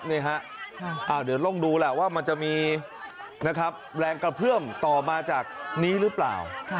นี่ฮะเดี๋ยวลองดูแหละว่ามันจะมีนะครับแรงกระเพื่อมต่อมาจากนี้หรือเปล่า